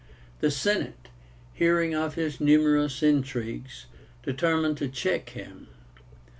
The Senate, hearing of his numerous intrigues, determined to check him.